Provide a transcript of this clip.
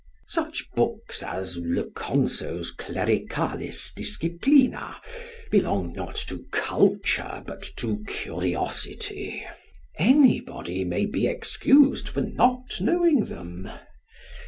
Such books as Le Conso's "Clericalis Disciplina" belong not to culture, but to curiosity. Anybody may be excused for not knowing them.